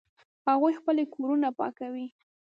هغوی خپلې کورونه پاکوي